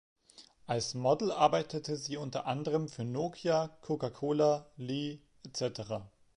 Als Model arbeitete sie unter anderem für Nokia, Coca Cola, Lee etc.